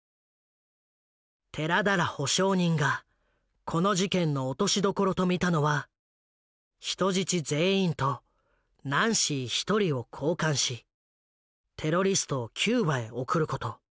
寺田ら保証人がこの事件の落としどころと見たのは人質全員とナンシー１人を交換しテロリストをキューバへ送ること。